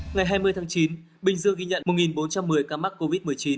ngày hai mươi tháng chín bình dương ghi nhận một bốn trăm một mươi ca mắc covid một mươi chín